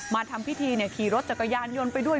มาทำพิธีขี่รถจักรยานยนต์ไปด้วย